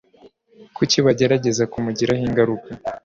Kuki bagerageza kumugiraho ingaruka?